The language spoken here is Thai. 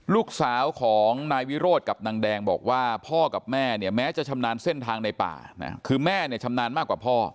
ลูกสาวของนายวิโรธกับนางแดงบอกว่าพ่อกับแม่เนี่ยแม้จะชำนาญเส้นทางในป่านะคือแม่เนี่ยชำนาญมากกว่าพ่อ